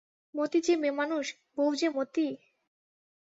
মতি যে মেয়েমানুষ, বৌ যে মতি!